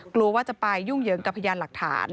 กลัวว่าจะไปยุ่งเหยิงกับพยานหลักฐาน